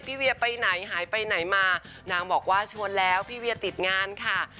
เวียไปไหนหายไปไหนมานางบอกว่าชวนแล้วพี่เวียติดงานค่ะ